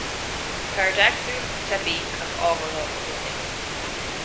Paradacsúil, teibí, ach ábhartha i gcónaí